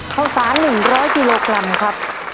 ของสารหนึ่งร้อยกิโลกรัมนะครับ